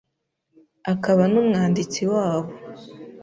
akaba n’umwanditsi wabo.